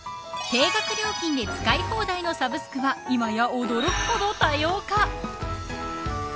定額料金で使い放題のサブスクが今や、驚くほど多様化。